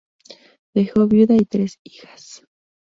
Dejó viuda y tres hijas.